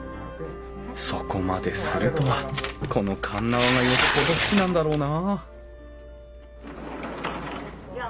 そこまでするとはこの鉄輪がよっぽど好きなんだろうなあ